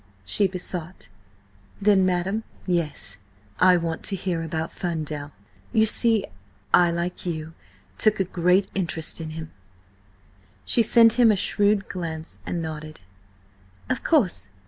she besought. "Then, madam, yes. I want to hear about–Ferndale. You see, I–like you–took a great interest in him." She sent him a shrewd glance, and nodded. "Of course.